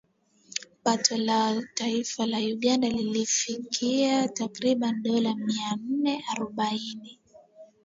Pato la taifa la Uganda lilifikia takriban dola mia nane arubaini